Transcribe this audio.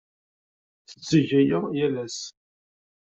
Tetteg aya yal ass.